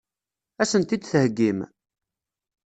Ad sen-t-id-theggim?